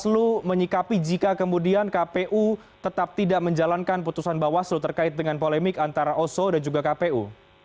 bawaslu menyikapi jika kemudian kpu tetap tidak menjalankan putusan bawaslu terkait dengan polemik antara oso dan juga kpu